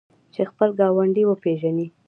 چې خپل ګاونډی وپیژني.